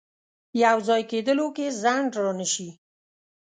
یو ځای کېدلو کې ځنډ رانه شي.